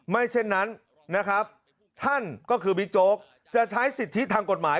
เช่นนั้นนะครับท่านก็คือบิ๊กโจ๊กจะใช้สิทธิทางกฎหมาย